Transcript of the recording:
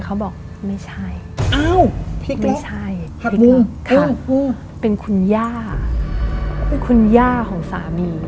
เขาบอกไม่ใช่อ้าวไม่ใช่เป็นคุณย่าคุณย่าของสามี